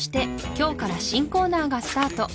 今日から新コーナーがスタート